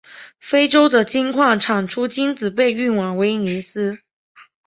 非洲的金矿产出金子被运往威尼斯。